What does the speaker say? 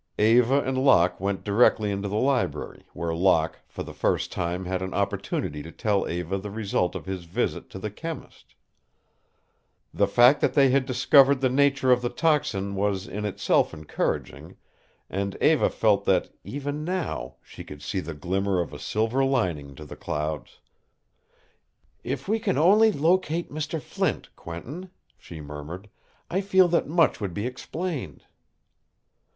Eva and Locke went directly into the library, where Locke for the first time had an opportunity to tell Eva the result of his visit to the chemist. The fact that they had discovered the nature of the toxin was in itself encouraging, and Eva felt that, even now, she could see the glimmer of a silver lining to the clouds. "If we can only locate Mr. Flint, Quentin," she murmured, "I feel that much would be explained."